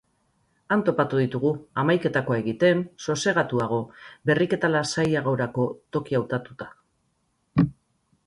Han topatu ditugu, hamaiketakoa egiten, sosegatuago, berriketa lasaiagorako toki hautatuta.